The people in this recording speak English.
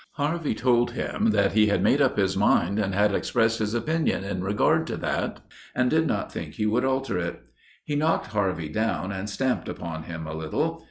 Harvey told him that he had made up his mind and had expressed his opinion in regard to that, and did not think he would alter it. He knocked Harvey down and stamped upon him a little.